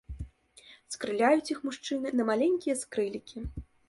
Скрыляюць іх мужчыны на маленькія скрылікі.